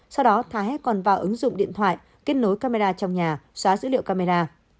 sau đó thái còn vào ứng dụng điện thoại kết nối camera trong nhà xóa dữ liệu camera